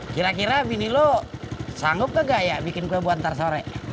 kira kira bini lo sanggup kagak ya bikin kue buat ntar sore